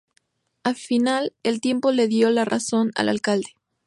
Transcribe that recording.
Al final, el tiempo le dio la razón al alcalde.